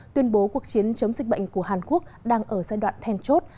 tuyên bố cuộc chiến chống dịch bệnh của hàn quốc đang ở giai đoạn thèn chốt